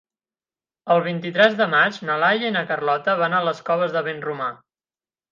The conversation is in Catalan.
El vint-i-tres de maig na Laia i na Carlota van a les Coves de Vinromà.